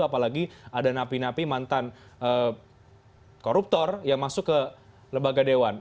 apalagi ada napi napi mantan koruptor yang masuk ke lembaga dewan